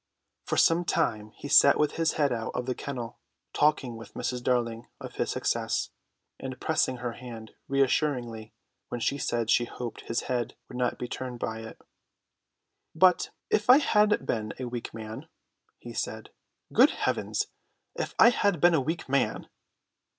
For some time he sat with his head out of the kennel, talking with Mrs. Darling of this success, and pressing her hand reassuringly when she said she hoped his head would not be turned by it. "But if I had been a weak man," he said. "Good heavens, if I had been a weak man!"